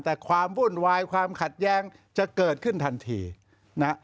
แต่ความวุ่นวายความขัดแย้งจะเกิดขึ้นทันทีนะ